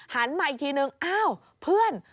มาอีกทีนึงอ้าวเพื่อน